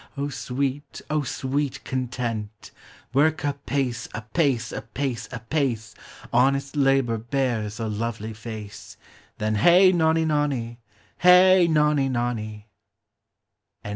O sweet, O sweet content ! Work apace, apace, apace, apace ; Honest labor bears a lovely face ; Then hey nonny nonny, hey nonny nonny